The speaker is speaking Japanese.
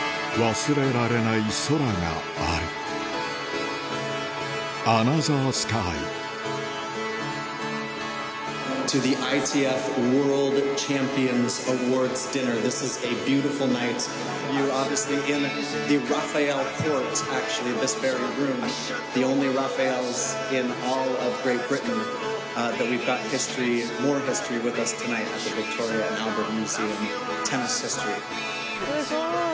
忘れられない空があるすごい。